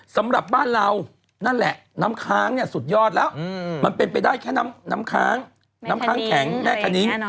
สำหรับบ้านเรานั่นแหละน้ำค้างสุดยอดแล้วมันเป็นไปได้แค่น้ำค้างแข็งแม่ทะนิ้ง